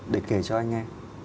để kể cho anh nghe